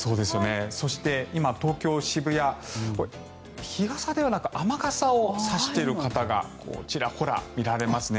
そして今、東京・渋谷日傘ではなく雨傘を差している方がちらほら見られますね。